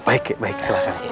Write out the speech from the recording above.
baik ya baik silahkan